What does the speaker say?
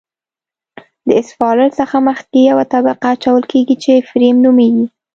د اسفالټ څخه مخکې یوه طبقه اچول کیږي چې فریم نومیږي